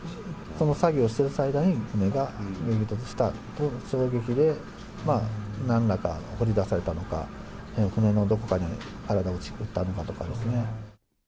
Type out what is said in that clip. その作業をしてる間に、船が激突した衝撃で、なんらか、放り出されたのか、船のどこかに体を打ったのかとかですね。